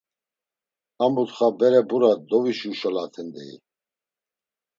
A mutxa bere bura dovişurşolaten, deyi.